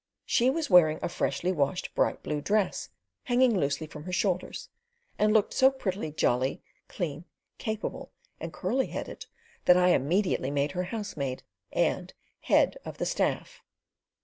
She was wearing a freshly washed bright blue dress, hanging loosely from her shoulders, and looked so prettily jolly, clean, capable, and curly headed, that I immediately made her housemaid and Head of the Staff.